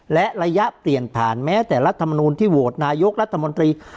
และระยะเปลี่ยนผ่านแม้แต่รัฐมนูลที่โหวตนายกรัฐมนตรี